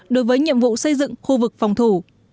đối với nhiệm vụ xây dựng khu vực phòng thủ